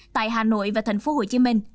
tại hà nội và thành phố hồ chí minh